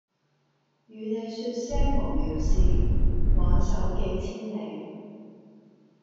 與你說些無聊事挽手幾千里